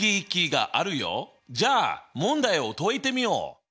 じゃあ問題を解いてみよう！